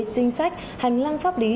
chính sách hành lang pháp lý